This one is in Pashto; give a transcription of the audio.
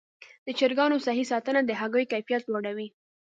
د چرګانو صحي ساتنه د هګیو کیفیت لوړوي.